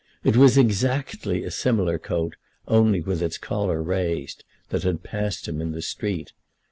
It was exactly a similar coat, only with its collar raised, that had passed him in the street.